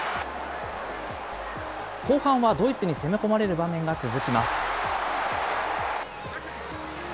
後半はドイツに攻め込まれる場面が続きます。